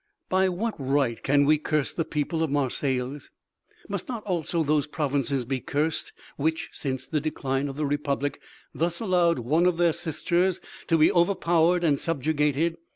"By what right can we curse the people of Marseilles? Must not also those provinces be cursed which, since the decline of the republic, thus allowed one of their sisters to be overpowered and subjugated?